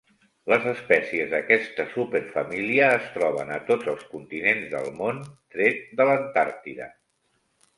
Les espècies d'aquesta superfamília es troben a tots els continents del món tret de l'Antàrtida.